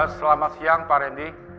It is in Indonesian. selamat siang pak randy